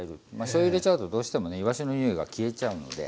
しょうゆ入れちゃうとどうしてもねいわしのにおいが消えちゃうので。